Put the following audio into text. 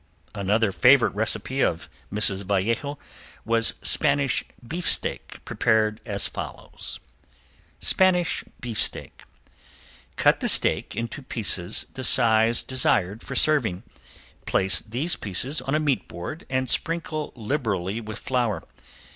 Another favorite recipe of Mrs. Vallejo was Spanish Beefsteak prepared as follows: Spanish Beefsteak Cut the steak into pieces the size desired for serving. Place these pieces on a meat board and sprinkle liberally with flour.